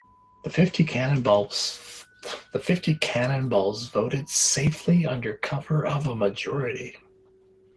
The fifty cannonballs voted safely under cover of a majority.